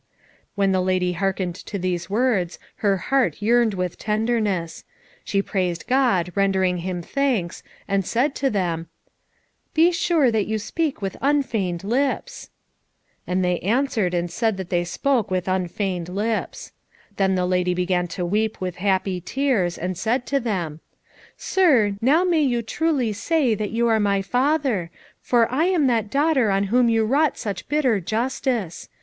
When the lady hearkened to these words her heart yearned with tenderness. She praised God, rendering Him thanks, and said to them, "Be sure that you speak with unfeigned lips." And they answered and said that they spoke with unfeigned lips. Then the lady began to weep with happy tears, and said to them, "Sir, now may you truly say that you are my father, for I am that daughter on whom you wrought such bitter justice.